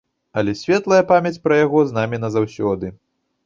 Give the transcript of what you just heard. Але светлая памяць пра яго з намі назаўсёды.